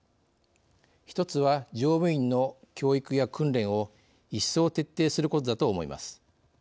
一つは、乗務員の教育や訓練を一層徹底することだと思います。